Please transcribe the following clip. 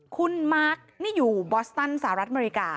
คุณมาร์คนี่อยู่บอสตันสหรัฐอเมริกา